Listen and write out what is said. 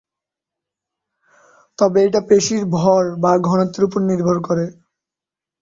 তবে এটা পেশীর ভর বা ঘনত্বের উপর নির্ভর করে।